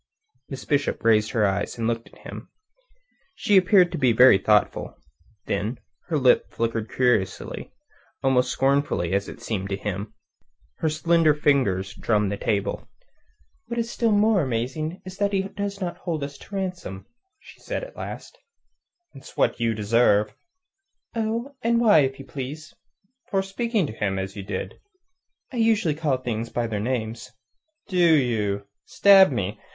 Miss Bishop raised her eyes, and looked at him. She appeared to be very thoughtful. Then her lip flickered curiously, almost scornfully, it seemed to him. Her slender fingers drummed the table. "What is still more amazing is that he does not hold us to ransom," said she at last. "It's what you deserve." "Oh, and why, if you please?" "For speaking to him as you did." "I usually call things by their names." "Do you? Stab me!